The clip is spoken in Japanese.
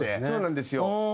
そうなんですよ。